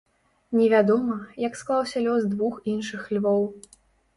Не вядома, як склаўся лёс двух іншых львоў.